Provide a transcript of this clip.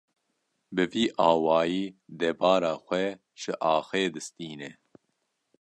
Bi vî awayî debara xwe ji axê distîne.